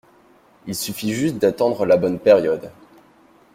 Il suffit juste d’attendre la bonne période.